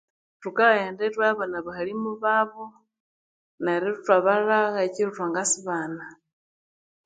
Thukaghenda ithwabana abahalimu babo neri ithwayilhagha ekiro thwangasibana